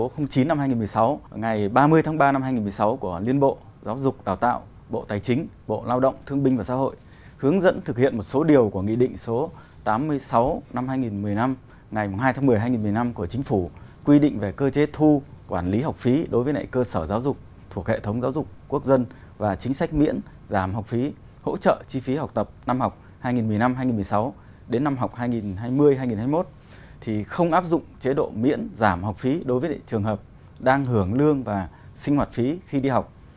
khi học hai nghìn một mươi năm hai nghìn một mươi sáu đến năm học hai nghìn hai mươi hai nghìn hai mươi một thì không áp dụng chế độ miễn giảm học phi đối với trường hợp đang hưởng lương và sinh hoạt phí khi đi học